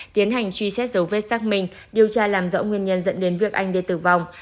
tiến hành truy xét dấu vết xác minh điều tra làm rõ nguyên nhân dẫn đến việc anh đê tử vong